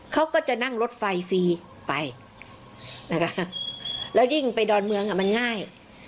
เขาก็จะนั่งรถไฟฟรีไปนะคะแล้วยิ่งไปดอนเมืองอ่ะมันง่าย